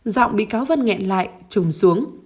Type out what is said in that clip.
giọng bị cáo vân nghẹn lại trùng xuống